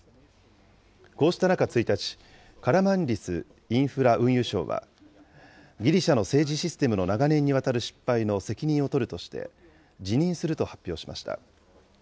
こうした中、１日、カラマンリスインフラ・運輸相は、ギリシャの政治システムの長年にわたる失敗の責任を取るとして、辞任すると発表しました。